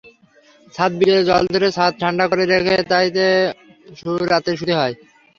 ছাদে বিকেলে জল ধরে ছাদ ঠাণ্ডা করে রেখে তাইতে রাত্রে শূতে হয়।